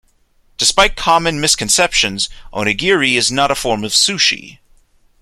Despite common misconceptions, onigiri is not a form of sushi.